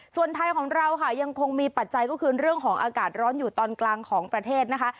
ส่วนไทยของเราค่ะยังคงมีปัจจัยก็คือเรื่องของอากาศร้อนอยู่ตอนกลางของประเทศนะคะ